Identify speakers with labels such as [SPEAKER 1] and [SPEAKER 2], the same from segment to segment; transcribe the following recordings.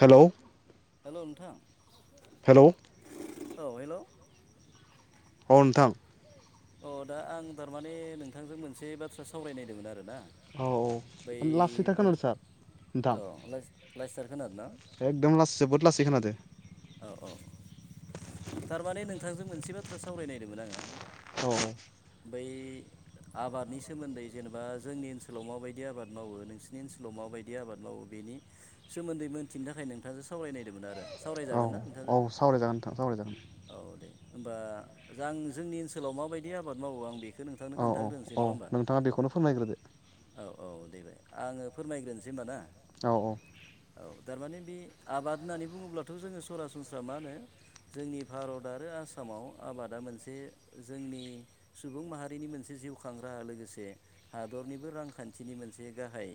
[SPEAKER 1] हेल'
[SPEAKER 2] hello नोंथां
[SPEAKER 1] hello
[SPEAKER 2] औ hello
[SPEAKER 1] औ नोंथां
[SPEAKER 2] अ दा आं थारमाने नोंथांजों मोनसे बाथ्रा सावरायनायदोंमोन आरोना
[SPEAKER 1] औ
[SPEAKER 2] बै
[SPEAKER 1] औ लासैथार
[SPEAKER 2] मोनद
[SPEAKER 1] खोनादों सार नोंथां
[SPEAKER 2] औ लाइस-लासैथार खोनादों ना?
[SPEAKER 1] एकदम लास जोबोद लासै खोनादो
[SPEAKER 2] औ औ थारमाने नोंथांजों मोनसे बाथ्रा सावरायनायदोंमोन आङो
[SPEAKER 1] औ औ
[SPEAKER 2] बै आबादनि सोमोन्दै जेनेबा जोंनि ओनसोलाव माबायदि आबाद मावो नोंसीरनिओनसोलाव माबायदि बिदि आबाद मावो बेनि सोमोन्दै मोनथिनो थाखाय नोंथाङासो सावरायनायदोंमोन आरो
[SPEAKER 1] औ
[SPEAKER 2] सावरायजागोन ना?
[SPEAKER 1] औ
[SPEAKER 2] नोंथांजों
[SPEAKER 1] सावरायजागोन नोंथां सावरायजागोन
[SPEAKER 2] औ दे होमबा जां जोंनि ओनसोलाव माबायदि आबाद मावो आं बेखौ बेखो नोंथांनो
[SPEAKER 1] औ औ
[SPEAKER 2] खोन्थाग्रोनोसै
[SPEAKER 1] औ
[SPEAKER 2] नङा होमबा
[SPEAKER 1] नोंथाङा बेखौनो फोरमायग्रोदो
[SPEAKER 2] औ औ देबाय आङो फोरमायग्रोनोसै होनबा ना
[SPEAKER 1] औ औ
[SPEAKER 2] औ थारमाने बे आबाद होननानै बुङोब्लाथ' जोङो सरासनस्रा मा होनो जोंनि भारत आरो आसामाव आबादा मोनसे जोंनि सुबुं माहारिनि मोनसे जिउ खांग्रा लोगोसे हादरनिबो रांखान्थिनि मोनसे गाहाय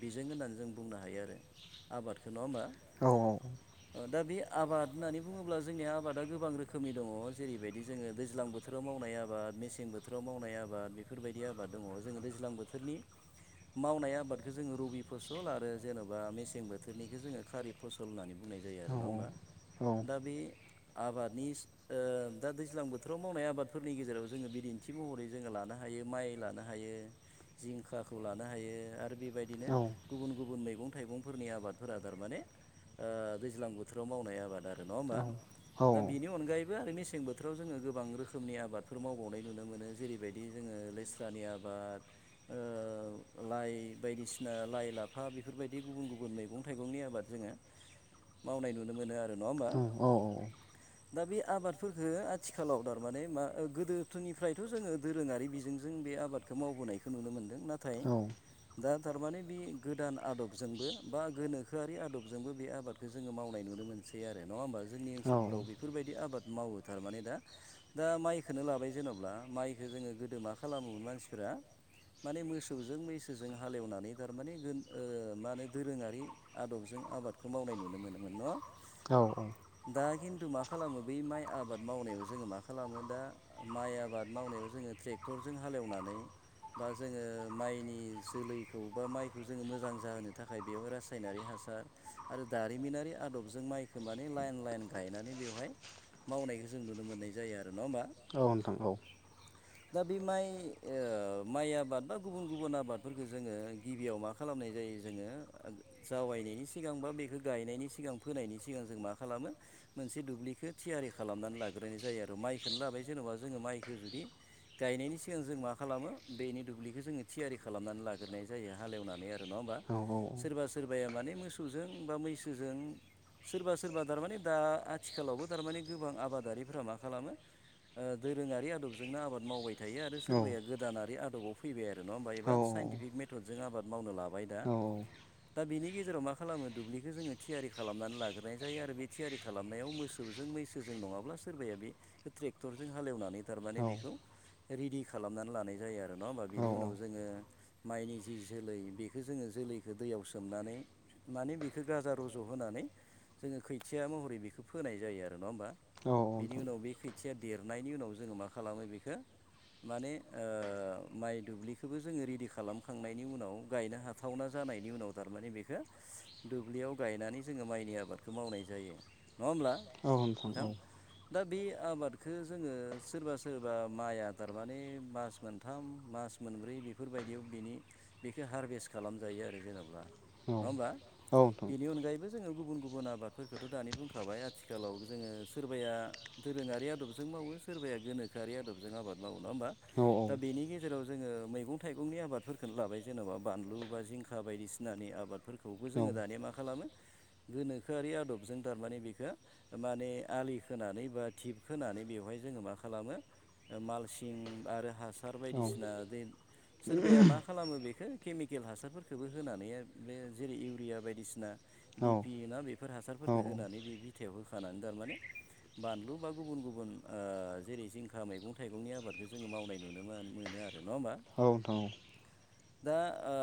[SPEAKER 2] बिजों होननानै जों बुंनो हायो आरो आबादखौ नङा होमबा
[SPEAKER 1] औ
[SPEAKER 2] अ दा बे आबाद होननानै बुङोब्ला जोंनिया आबादा गोबां रोखोमनि दङ जेरैबायदि जोङो दैज्लां बोथ बोथोराव मावनाय आबाद मेसें बोथोराव मावनाय आबाद बेफोरबायदि आबाद दङ जोङो दैज्लां बोथोरनि मावनाय आबादखौ जोङो रबि फसल आरो जेन'बा मेसें बोथोरनिख जोङो खारिब फसल होननानै बुंनाय जायो जायो आरो
[SPEAKER 1] औ
[SPEAKER 2] नङा होमबा
[SPEAKER 1] औ
[SPEAKER 2] दा बे आबादनि दा दैज्लां बोथोराव मावनाय आबादफोरनि गेजेराव जोङो बिदिन्थि महरै जोङो लानो हायो माइ लानो हायो हायो जिंखाखौ लानो‌ हायो आरो बेबा दिनो
[SPEAKER 1] औ
[SPEAKER 2] गुबुन गुबुन मैगं थाइगंफोरनि आबादफोरा थारमाने ओ दैज्लां बोथोराव मावनाय आबाद आरो नङा
[SPEAKER 1] औ
[SPEAKER 2] होमबा
[SPEAKER 1] औ
[SPEAKER 2] दा बेनि अनगायैबो आरो मेसें बोथोराव जोङो गोबां रोखोमनि आबादफोर मावबावनाय नुनो मोनो जेरैबायदि जोङो लेस्रानि आबाद ओ लाइ बायदिसिना लाइ लाफा बेफोरबायदि गुबुन गुबुन मैगं थाइगंनि आबाद जोङो मावनाय नुनो मोनो आरो नङा होमबा दा बे आबादफोरखो आथिखालाव थारमाने मा ओ गोदोथोनिफ्रायथ' जोङो दोरोङारि बिजोंजों बे आबादखौ मावबोनायखौ नुनो मोनदों नाथाय
[SPEAKER 1] औ
[SPEAKER 2] दा थारमाने बे गोदान आदबजोंबो बा गोनोखोआरि आदबजोंबो बे आबाद खो जोङो मावनाय नुनो मोनसै आरो नङा होमबा जोंनि ओनसोलफ्राव बेफोरबायदि आबाद मावो थारमाने दा दा माइखोननो लाबाय जेन'ब्ला माइखौ जोङो गोदो मा खालामोमोन मानसिफोरा माने मोसौजों मैसोजों हालेवनानै थारमाने गो ओ मा होनो दोरोङारि आदबजों आबादखो मावनाय नुनो मोनोमोन न'
[SPEAKER 1] औ औ
[SPEAKER 2] दा खिन्थु मा खालामो बै माइ आबाद मावनायाव जोङो मा खालामो दा माइ आबाद मावनायाव जोङो ट्रेक्टरजों हालेवनानै बा जोङो माइनि जोलैखौ बा माइखौ जोङो मोजां जाहोनो थाखाय बेवहाय रास सायनारि हासार आरो दारिमिनारि आदबजों माइखौ माने लाइन लाइन गायनानै बेवहाय मावनायखौ जों नुनो मोननाय जायो आरो नङा होमबा
[SPEAKER 1] औ नोंथां औ
[SPEAKER 2] दा बे माइ माइ ओ आबाद बा गुबुन गुबुन आबादफोरखौ जोङो गिबियाव मा खा खालामनाय जायो जोङो ओग जावैनायनि सिगांबा बेखो गायनायनि सिगां फोनायनि सिगां जों मा खालामो मोनसे दुब्लिखौ थियारि खालामनानै लाग्रोनाय जायो आरो माइखौो लाबाय जेनेबा जोङो माइखो जुदि गायनायनि सिगां जों मा खालामो बेनि दुब्लिखौ जोङो थियारि खालामनानै लाग्रोनाय जायो हालेवनानै आरो आरो नङा होमबा सोरबा सोरबाया माने मोसौजों बा मैसोजों सोरबा सोरबा दारमाने दा आथिखालावबो थारमाने गोबां आबादारिफ्रा मा खालामो ओ दोरोङारि आदबजोंनो आबाद मावबाय थायो आरो सोरबाया
[SPEAKER 1] औ
[SPEAKER 2] गोदानारि आदबाव फैबाय आरो ना होमबा एबा साइन्टिफिक मेथदजों आबाद मावनो लाबाय दा दा बिनि गेजेराव मा खालामो दुब्लिखौ जोङो थियारि खालामनानै लाग्रोनाय जायो आरो बे थियारि खालामनायाव मोसौजों मैसोजों नङाब्ला सोरबाया बे बेखौ ट्रेक्टरजों हालेवनानै थारमाने बेखौ रेडि खालामनानै लानाय जायो आरो नङा होमबा
[SPEAKER 1] औ औ
[SPEAKER 2] बिनि
[SPEAKER 1] औ
[SPEAKER 2] उनाव जोङो माइनि जि जोलै बेखौ जोङो जोलैखौ दैयाव सोमनानै माने बेखो गाजा र'ज जहोनानै जोङो खैथिया महरै बेखौ फोनाय जायो आरो नङा होमबा
[SPEAKER 1] नोंथां
[SPEAKER 2] बिनि
[SPEAKER 1] औ
[SPEAKER 2] उनाव बे खै खोथिया देरनायनि उनाव जोङो मा खालामो बेखो माने ओ माइ दुब्लिखौबो जोङो रेडि खालामखांनायनि उनाव गायनो हानाय सुथावना जानायनि उनाव थारमाने बेखौ दुब्लियाव गायनानै जोङो माइनि आबादखौ मावनाय जायो नङा होमब्ला
[SPEAKER 1] औ
[SPEAKER 2] नोंथां दा बे आबादखौ जोङो सोरबा सोरबा माइ आदार माने मास मोनथाम मास मोनब्रै बेफोरबायदियाव बिनि बेखौ हारभेस्ट खालामजायो आरो जेनेबा
[SPEAKER 1] औ औ
[SPEAKER 2] बेनि अनगायैबो जोङो गुबुन गुबुन आबादफोरखौथ' दानि बुंखाबाय आथिखालाव जोङो सोरबाया दोरोङारि आदबजों मावो सोरबाया गोनोखोआरि आदबजों आबाद मावो नङा होमबा
[SPEAKER 1] औ
[SPEAKER 2] दा बेनि गेजेराव जोङो मैगं थाइगंनि आबादफोरखौनो लाबाय जेन'बा बानलु बा जिंखा बायदिसिनानि आबाद फोरखौबो जोङो दानिया मा खालामो गोनोखोआरि आदबजों थारमाने बेखो माने आलि खोनानै बा थिप खोनानै बेवहाय जोङो मा खालामो मालसिं आरो हासार बायदिसिना देर सोरबाया मा मा खालामो बेखौ केमिकेल हासारफोरखौबो होनानै बे जेरै इउरिया बायदिसिना
[SPEAKER 1] औ
[SPEAKER 2] दिपि ना बेफोर
[SPEAKER 1] औ
[SPEAKER 2] हासारफोरखौ
[SPEAKER 1] औ
[SPEAKER 2] होनानै बे बिथायाव होखानानै थारमाने बानलु बा गुबुन गुबुन ओ जेरै जिंखा मैगं थाइगंनि आबादखौ जोङो मावनाय नुनो मोनो आरो नङा होनबा
[SPEAKER 1] औ द'
[SPEAKER 2] दा आ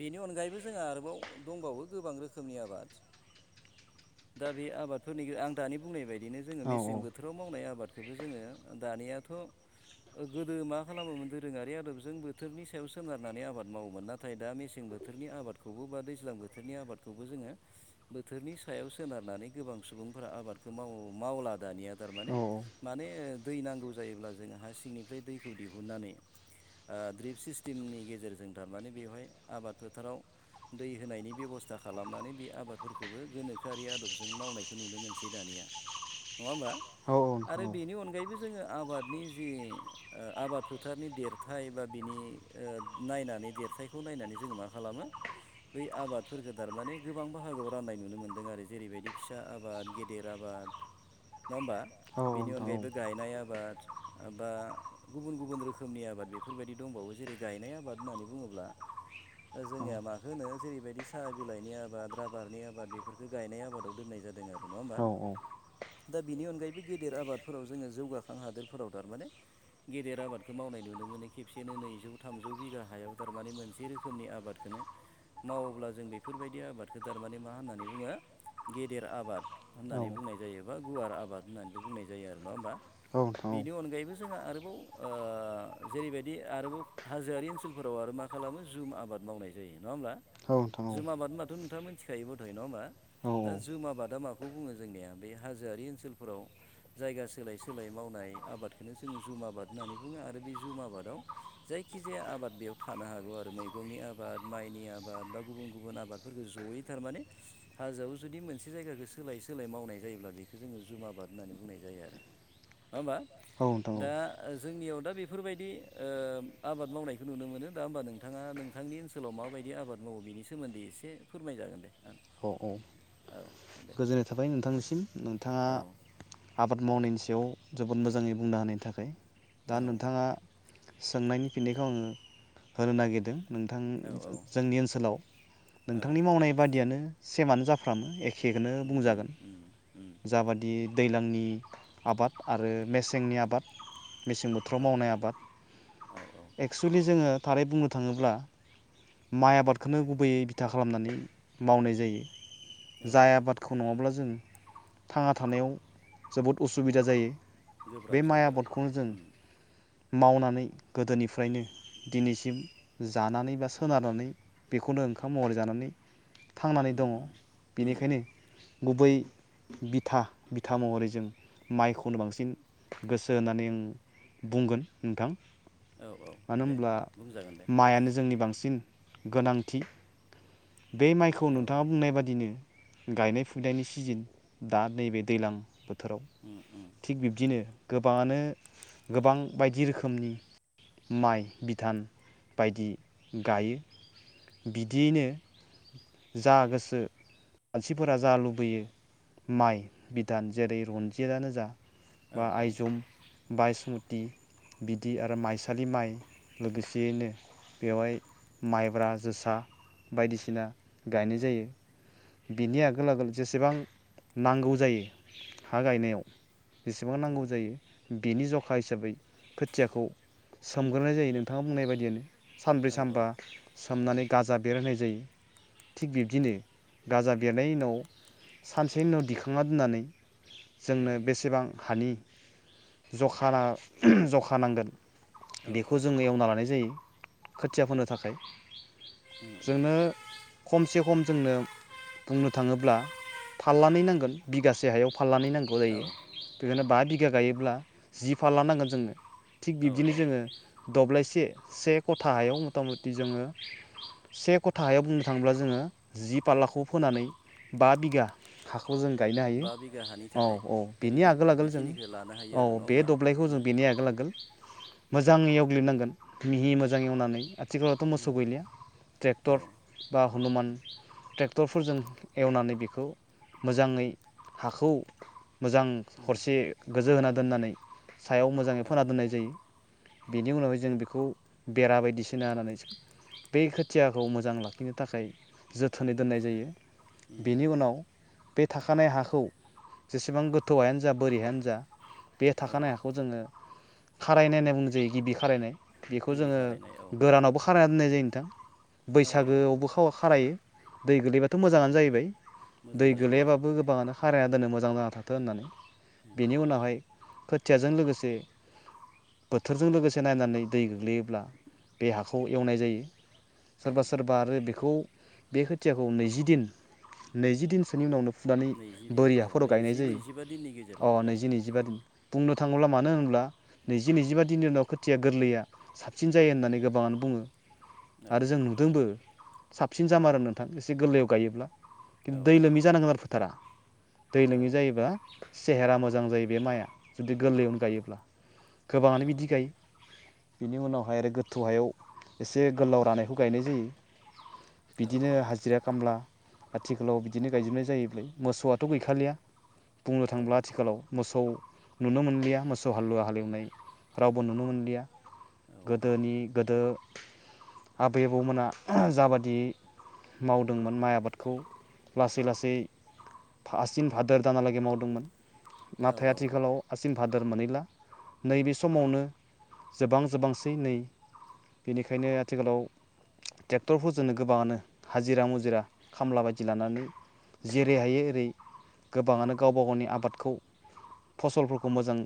[SPEAKER 2] बेनि अनगायैबो जोंहा आरोबाव दंबावो गोबां रोखोमनि आबाद दा बे आबादफोरनि आं दानि बुंनाय बायदिनो जोङो
[SPEAKER 1] औ
[SPEAKER 2] मेसें बोथोराव मावनाय आबादखौबो जोङो दानियाथ' गोदो मा खालामोमोन दोरोङारि आदबजों बोथोरनि सायाव सोनारनानै आबाद मावोमोन नाथाय दा मेसें बोथोर बोथोरनि आबादखौबो बा दैज्लां बोथोरनि आबादखौबो जोङो बोथोरनि सायाव सोनारनानै गोबां सुबुंफोरा आबादखौ माव मावला दानिया थारमाने
[SPEAKER 1] औ
[SPEAKER 2] माने दै नांगौ जायोब्ला जों हा सिंनिफ्राय दैखौ दिहुननानै ओ द्रिप सिस्टेमनि गेजेरजों थारमाने बेवहाय आबाद फोथाराव दै होनायनि बेब'स्था खालामनानै बे आबादफोरखौबो गोनोखोआरि आदबजों मावनायखौ नुनो मोनसै दानिया नङा होमबा
[SPEAKER 1] औ
[SPEAKER 2] आरो बेनि अनगायैबो जोङो आबादनि जि आ आबाद फोथारनि देरथाय बा बिनि नायनानै देरथायखौ नायनानै जोङो मा खालामो बै आबाद फोरखो थारमाने गोबां बाहागोआव राननाय नुनो मोन्दों आरो जेरैबायदि फिसा आबाद गेदेर आबाद नङा होमबा
[SPEAKER 1] औ
[SPEAKER 2] बेनि
[SPEAKER 1] नोंथां औ
[SPEAKER 2] अनगायैबो गायनाय आबाद बा गुबुन गुबुन रोखोमनि आबाद बेफोरबायदि दंबावो जेरै गायनाय आबाद होननानै बुङोब्ला
[SPEAKER 1] औ
[SPEAKER 2] जोंनिया माखौ होनो जेरैबायदि साहा बिलाइनि आबाद राबारनि आबाद बेफोरखौ गायनाय आबादाव दोननाय जादों आरो नङा
[SPEAKER 1] औ
[SPEAKER 2] होमबा दा बिनि अनगायैबो गेदेर आबादफोराव जोङो जौगाखां हादोरफोराव थारमाने गेदेर आबादखौ मावनाय नुनो मोनो खेबसेनो नैजौ थामजौ बिगा हायाव थारमाने मोनसे रोखोमनि आबाद बेनो मावोब्ला जों बेफोरबायदि आबादखौ थारमाने मा होननानै बुङो गेदेर आबाद
[SPEAKER 1] औ
[SPEAKER 2] होननानै बुंनाय जा जायोबा गुवार आबाद होन्नानैबो बुंनाय जायो आरो नङा होमबा
[SPEAKER 1] नोंथां औ
[SPEAKER 2] बेनि अनगायैबो जोंहा आरोबाव ओ जेरैबायदि आरोबाव हाजोआरि ओनसोलफोराव आरो मा खालामो जुम आबाद मावनाय जायो नङा होमब्ला
[SPEAKER 1] औ नोंथां
[SPEAKER 2] जुमा माद होनबाथ' नोंथांमोन थिखायोबथाय नङा होमबा
[SPEAKER 1] औ
[SPEAKER 2] दा जुमा बादा माखौ बुङो जोंनिया बे हाजोआरि ओनसोलफोराव जायगा सोलाय सोलाय मावनाय आबादखौनो जोङ जुम आबाद होननानै बुङो आरो बे जुम आबादाव जायखिजाया आबाद बेयाव थानो हागौ आरो मैगंनि आबाद माइनि आबाद बा गुबुन गुब गुबुन आबादफोरखौ जयै थारमाने हाजोआव जुदि मोनसे जायगाखौ सोलायै सोलाय मावनाय जायोब्ला बेखौ जोङो जुमा बाद होननानै बुंनाय जायो आरो नङा होमबा
[SPEAKER 1] औ नोंथां
[SPEAKER 2] दा
[SPEAKER 1] औ
[SPEAKER 2] जोंनियाव दा बेफोरबायदि ओ आबाद मावनायखौ नुनो मोनो दा होमबा नोंथाङा नों नोंथांनि ओनसोलाव माबायदि आबाद मावो बेनि सोमोन्दै एसे फोरमायजागोन दे आं
[SPEAKER 1] औ औ
[SPEAKER 2] औ दे
[SPEAKER 1] गोजोननाय थाबाय नोंथांनिसिम नोंथाङा
[SPEAKER 2] औ
[SPEAKER 1] आबाद मावनायनि सायाव जोबोद मोजाङै बुंना होनायनि थाखाय दा नोंथाङा सोंनायनि फिननायखौ आङो होनो नागिरदों नोंथां
[SPEAKER 2] औ
[SPEAKER 1] जोंनि ओनसोलाव
[SPEAKER 2] औ
[SPEAKER 1] नोंथांनि मावनाय बादियानो सेमानो जाफ्रामो ए खेखौनो
[SPEAKER 2] उम उम
[SPEAKER 1] बुंजागोन
[SPEAKER 2] उम उम
[SPEAKER 1] जाबादि दैज्लांनि आबाद आरो मेसेंनि आबाद मेसें बोथोराव
[SPEAKER 2] औ
[SPEAKER 1] मावनाय
[SPEAKER 2] औ
[SPEAKER 1] आबाद एक्सुेलि जोङो थारै बुंनो थाङोब्ला माइ आबादखौनो गुबैयै बिथा खालामनानै मावनाय जायो
[SPEAKER 2] औ औ
[SPEAKER 1] जाय आबाद खौ नङाब्ला जों थांना थानायाव जोबोद उसुबिदा जायो
[SPEAKER 2] गोब्राब
[SPEAKER 1] बे माइ
[SPEAKER 2] जायो औ
[SPEAKER 1] आबादखौनो जों
[SPEAKER 2] उम
[SPEAKER 1] मावनानै गोदोनिफ्रायनो दिनैसिम जानानै बा सोनारनानै बेखौनो ओंखाम महरै जानानै थांनानै
[SPEAKER 2] उम
[SPEAKER 1] दङ
[SPEAKER 2] उम उम
[SPEAKER 1] बेनिखायनो गुबै बिथा बिथा महरै जों माइखौनो बांसिन गोसो होनानै जों बुंगोन नोंथां
[SPEAKER 2] औ औ
[SPEAKER 1] मानो
[SPEAKER 2] दे
[SPEAKER 1] होनब्ला
[SPEAKER 2] बुंजागोन दे
[SPEAKER 1] माइआनो जोंनि बांसिन गोनांथि बे माइखौ
[SPEAKER 2] औ
[SPEAKER 1] नोंथाङा बुंनाय बादिनो गायनाय फुनायनि सिजेन दा नैबे दैज्लां बोथोराव
[SPEAKER 2] ओम ओम
[SPEAKER 1] थिग बिब्दिनो गोबाङानो गोबां बायदि रोखोमनि माइ बिदान बायदि गायो बिदियैनो जा गोसो मानसिफोरा जा लुबैयो माइ बिधान जेरै रनजितानो जा
[SPEAKER 2] औ
[SPEAKER 1] बा
[SPEAKER 2] औ
[SPEAKER 1] आयजम बायसमति बिदि आरो माइसालि माइ लोगोसेयैनो बेवहाय माइब्रा जोसा बायदिसिना गायनाय
[SPEAKER 2] औ
[SPEAKER 1] जायो बिनि आगोल आगोल जेसेबां नांगौ जायो हा गायनायाव बेसेबां
[SPEAKER 2] औ
[SPEAKER 1] नांगौ जायो बिनि जखा हिसाबै खोथियाखौ सोमग्रोनाय जायो नोंथाङा बुंनाय बायदियानो सानब्रै
[SPEAKER 2] औ
[SPEAKER 1] सानबा सोमनानै गाजा बेर होनाय जायो थिग बिब्दिनो गाजा बेरनायनि उनाव सानसेनि उनाव दिखांना दोननानै
[SPEAKER 2] औ
[SPEAKER 1] जोंनो बेसेबां हानि जखा जखा नांगोन
[SPEAKER 2] औ
[SPEAKER 1] बेखौ जोङो एवना लानाय जायो खोथिया फोनो थाखाय
[SPEAKER 2] उम उम
[SPEAKER 1] जोंनो खमसे खम जोंनो बुंनो थाङोब्ला फाललानै नांगोन बिगासे हायाव फाललानै नांगोन गौ जायो
[SPEAKER 2] औ
[SPEAKER 1] बेखायनो बा बिगा गायोब्ला जि फाल लानांगोन जोङनो थिग
[SPEAKER 2] औ
[SPEAKER 1] बिब्दिनो
[SPEAKER 2] औ
[SPEAKER 1] जोङो दब्लायसे से खथाहायाव मथा मथि जोङो से खथा हायाव बुंनो थाङोब्ला जोङो जि फाललाखौ फोनानै बा बिगा हाखौ जों गायनो हायो
[SPEAKER 2] बा बिगा हानि
[SPEAKER 1] औ
[SPEAKER 2] थाखाय
[SPEAKER 1] औ बेनि
[SPEAKER 2] रेडि
[SPEAKER 1] आगोल आगोल जों
[SPEAKER 2] बेखिनिखौ लानो हायो
[SPEAKER 1] औ
[SPEAKER 2] आरो नङा
[SPEAKER 1] बे
[SPEAKER 2] होमबा
[SPEAKER 1] द [unintelligible]
[SPEAKER 2] उम
[SPEAKER 1] जों बेनि आगोल आगोल
[SPEAKER 2] [inaudible]
[SPEAKER 1] मोजां एवग्लिबनांगोन मिहि मोजां एवनानै आथिखालावथ'
[SPEAKER 2] उम
[SPEAKER 1] मोसौ गैलिया
[SPEAKER 2] औ
[SPEAKER 1] ट्रेक्टर बा हनुमान ट्रेक्टरफोरजों एवनानै बेखौ मोजाङै हाखौ मोजां
[SPEAKER 2] उम
[SPEAKER 1] हरसे गोजो होना दोननानै सायाव मोजाङै
[SPEAKER 2] औ
[SPEAKER 1] फोना दोननाय जायो बेनि उनावहाय जों बेखौ बेरा बायदिसिना होननानै बो थियाखौ मोजां लाखिनो थाखाय जोथोनै दोननाय जायो
[SPEAKER 2] उम
[SPEAKER 1] बेनि उनाव थि बे थाखानाय हाखौ जेसेबां गोथौ हायानो जा बोरि हायानो जा बे
[SPEAKER 2] औ
[SPEAKER 1] थाखानाय हाखौ जोङो खारायनाय होनना बुंजायो गिबि खारायनाय बेखौ
[SPEAKER 2] गिबि
[SPEAKER 1] जोङो
[SPEAKER 2] खारायनाय औ
[SPEAKER 1] गोरानावबो खारायना दोननाय जायो नोंथां
[SPEAKER 2] औ औ औ
[SPEAKER 1] बैसागोआवबो खावा खारायो दै गोलैबा थ'
[SPEAKER 2] औ
[SPEAKER 1] मोङानो जाहैबाय दै
[SPEAKER 2] मोजां जाहैबाय औ
[SPEAKER 1] गोलैयाबाबो गोबाङानो खारायना दोनो मोजां जाना थाथो होननानै।
[SPEAKER 2] उम
[SPEAKER 1] बेनि
[SPEAKER 2] उम
[SPEAKER 1] उनावहाय खोथियाजों लोगोसे बोथोरजों लोगोसे नायनानै दै गोग्लैयोब्ला बे हाखौ एवनाय जायो।
[SPEAKER 2] औ
[SPEAKER 1] सोरबा सोरबा आरो बेखौ बे खोथियाखौ नैजि‌ दिन नैजि दिनसोनि उनावनो फुनानै
[SPEAKER 2] नैजि दिन
[SPEAKER 1] बोरि
[SPEAKER 2] औ
[SPEAKER 1] हाफोराव गायनाय
[SPEAKER 2] नैजि
[SPEAKER 1] जायो
[SPEAKER 2] नैजिबा दिननि
[SPEAKER 1] अ
[SPEAKER 2] गेजेराव औ
[SPEAKER 1] नैजि नैजिबा दिन बुंनो थाङोब्ला मानो होनोब्ला नैजि नैजिबा दिननि उनाव खोथिया गोरलैया साबसिन जायो होननानै गोबाङानो बुङो।
[SPEAKER 2] औ
[SPEAKER 1] आरो जों नुदोंबो साबसिन जामारो नोंथां एसे गोरलैयाव गायोब्ला
[SPEAKER 2] औ
[SPEAKER 1] दै
[SPEAKER 2] औ
[SPEAKER 1] लोमि जानांगोन आरो फोथारा दै
[SPEAKER 2] औ
[SPEAKER 1] लोङि जायोबा सेहेरा मोजां जायो बे माइआ जुदि गोरलैयावनो गायोब्ला
[SPEAKER 2] औ
[SPEAKER 1] गोबाङानो बिदि गायो बिनि उनावहाय आरो गोथौ हायाव एसे गोलाव रानायखौ गायनाय जायो।
[SPEAKER 2] औ
[SPEAKER 1] बिदिनो हाजिरा खामला, आथिखालाव बिदिनो गायजोबनाय जायोबोलै मोसौआथ' गैखालिया बुंनो
[SPEAKER 2] औ
[SPEAKER 1] थांब्ला आथिखालाव मोसौ नुनो मोनलिया मोसौ हालुवा हालेवनाय रावबो नुनो मोनलिया। गोदोनि गोदो आबै आबौमोना जाबादि मावदोंमोन माइ आबादखौ लासै लासै आसिन भादोर दानालागै मावदोंमोन
[SPEAKER 2] औ
[SPEAKER 1] नाथाय
[SPEAKER 2] औ
[SPEAKER 1] आथिखालाव आसिन भादोर मोनैला नैबे समावनो जोबां जोबांसै नै बेनिखायनो आथिखालाव ट्रेक्टरफोरजोंनो गोबाङानो हाजिरा मुजिरा खामला बायदि लानानै जेरै हायो ओरै
[SPEAKER 2] उम
[SPEAKER 1] गोबाङानो गावबा गावनि आबादखौ फसलफोरखौ मोजां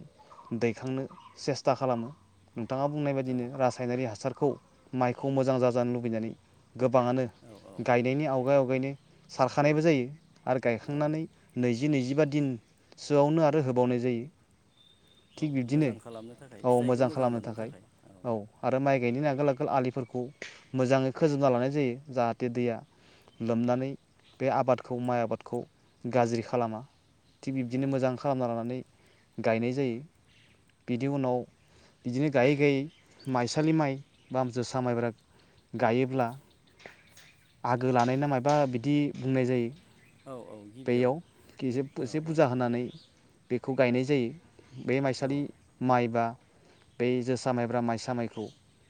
[SPEAKER 1] दैखांनो सेस्था खालामो नोंथाङा बुंनाय
[SPEAKER 2] औ
[SPEAKER 1] बायदिनो रासायनारि हासारखौ माइखौ मोजां जाजानो लुबैनानै गोबाङानो
[SPEAKER 2] औ
[SPEAKER 1] गायनायनि आवगाय आवगायनो सारखानायबो जायो आरो
[SPEAKER 2] औ
[SPEAKER 1] गायखांनानै नैजि नैजिबा दिनसोआवनो आरो होबावनाय जायो थिग बिब्दिनो
[SPEAKER 2] मोजां खालामनो थाखाय
[SPEAKER 1] औ
[SPEAKER 2] फिथाइखौ
[SPEAKER 1] मोजां खालामनो
[SPEAKER 2] मोननो
[SPEAKER 1] थाखाय औ आरो माइ गायनायनि आगोल आगोल आलिफोरखौ मोजाङै खोजोबना लानाय जायो जाहाथे दैया लोमनानै बे आबादखौ माइ आबादखौ गाज्रि खालामा। थिग
[SPEAKER 2] औ
[SPEAKER 1] बिब्दिनो मोजां खालामना लानानै गायनाय जायो बिनि उनाव बिदिनो गायै गायै माइसालि माइ बा जोसा सा मायब्रा गायोब्ला आगो लानाय ना मायबा बिदि बुंनाय जायो।
[SPEAKER 2] औ औ गिबियाव
[SPEAKER 1] बेयाव गेजेब
[SPEAKER 2] औ
[SPEAKER 1] एजेब
[SPEAKER 2] औ
[SPEAKER 1] बुजा होनानै बेखौ गायनाय जायो बे
[SPEAKER 2] औ
[SPEAKER 1] माइसालि माइ बा बे जोसा माइब्रा माइसा माइखौ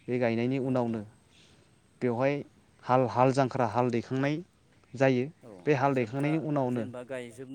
[SPEAKER 1] बे गायनायनि
[SPEAKER 2] औ
[SPEAKER 1] उनावनो बेवहाय हाल हाल जांख्रा हाल दैखांनाय जायो बे हाल दैखांनायनि उनावनो
[SPEAKER 2] गायजोबनाय